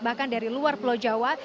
bahkan dari luar pulau jawa